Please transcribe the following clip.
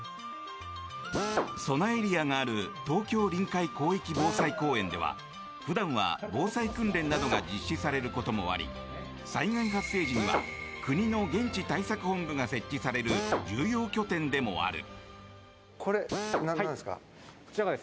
そなエリアがある東京臨海広域防災公園では普段は防災訓練などが実施されることもあり災害発生時には国の現地対策本部が設置される重要拠点でもある。